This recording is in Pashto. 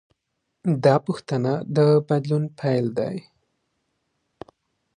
دا پوښتنه د بدلون پیل دی.